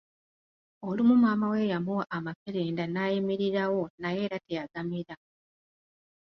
Olumu maama we yamuwa amakerenda naayimirirawo naye era teyagamira